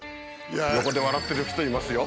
横で笑ってる人いますよ。